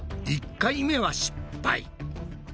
１回目は失敗。